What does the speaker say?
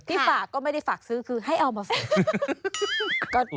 ฝากก็ไม่ได้ฝากซื้อคือให้เอามาฝาก